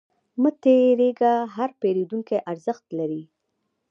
مه تریږه، هر پیرودونکی ارزښت لري.